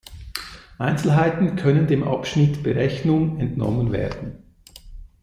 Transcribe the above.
Einzelheiten können dem Abschnitt Berechnung entnommen werden.